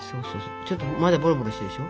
ちょっとまだボロボロしてるでしょ？